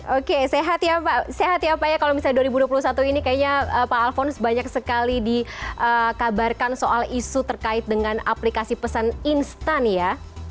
oke sehat ya pak sehat ya pak ya kalau misalnya dua ribu dua puluh satu ini kayaknya pak alfons banyak sekali dikabarkan soal isu terkait dengan aplikasi pesan instan ya